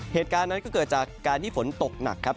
เหตุการณ์นั้นก็เกิดจากการที่ฝนตกหนักครับ